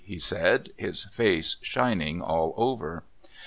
he said, his face shining all over.